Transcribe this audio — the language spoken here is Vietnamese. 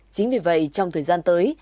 chính vì vậy trong thời gian tới